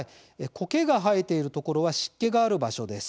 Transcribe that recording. コケが生えているところは湿気がある場所です。